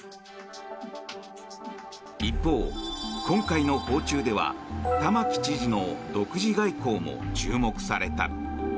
一方、今回の訪中では玉城知事の独自外交も注目された。